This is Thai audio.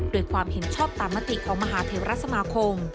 โดยความเห็นชอบตามมติของมหาเทวรัฐสมาคม